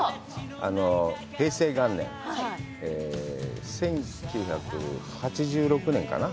平成元年、１９８６年かな。